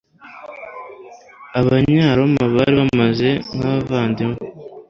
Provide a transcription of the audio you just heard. Abanyaroma bari bameze nkabavandimwe